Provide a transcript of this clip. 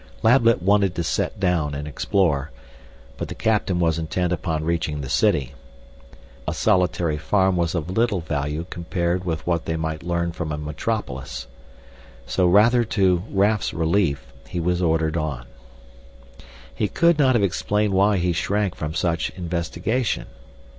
Lablet wanted to set down and explore, but the captain was intent upon reaching the city. A solitary farm was of little value compared with what they might learn from a metropolis. So, rather to Raf's relief, he was ordered on. He could not have explained why he shrank from such investigation.